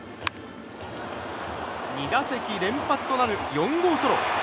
２打席連発となる４号ソロ。